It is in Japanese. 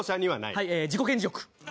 はい自己顕示欲。